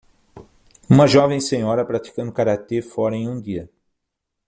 Uma jovem senhora praticando karatê fora em um dia.